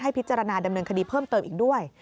พิจารณาดำเนินคดีเพิ่มเติมอีกด้วย